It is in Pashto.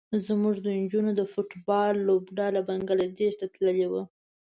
زموږ د نجونو د فټ بال لوبډله بنګلادیش ته تللې وه.